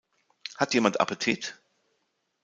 Hat jemand Appetit?